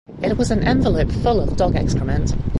It was an envelope full of dog excrement.